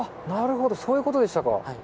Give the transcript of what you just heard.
なるほど、そういうことでしたか。